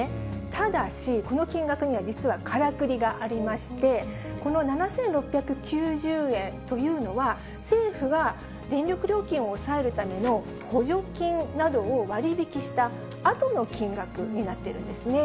ただし、この金額には実はからくりがありまして、この７６９０円というのは、政府が電力料金を抑えるための補助金などを割引したあとの金額になってるんですね。